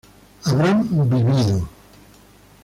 habrán vivido